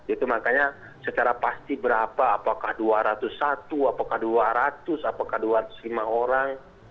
itu makanya secara pasti berapa apakah dua ratus satu apakah dua ratus apakah dua ratus lima orang